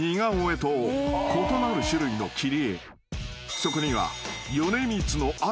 ［そこには］